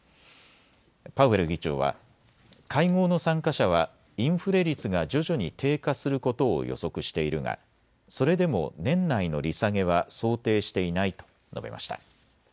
パウエル議長は会合の参加者はインフレ率が徐々に低下することを予測しているがそれでも年内の利下げは想定していないと述べました。